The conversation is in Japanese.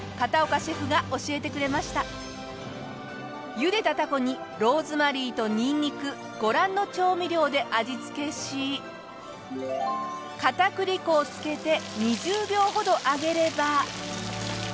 茹でたタコにローズマリーとニンニクご覧の調味料で味つけし片栗粉をつけて２０秒ほど揚げれば。